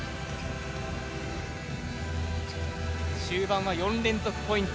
終盤は４連続ポイント